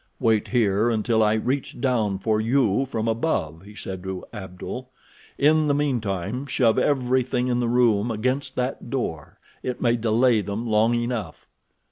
"Wait here until I reach down for you from above," he said to Abdul. "In the meantime shove everything in the room against that door—it may delay them long enough."